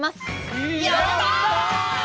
やった！